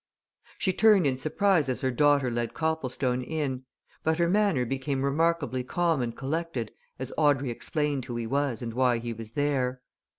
She turned in surprise as her daughter led Copplestone in, but her manner became remarkably calm and collected as Audrey explained who he was and why he was there.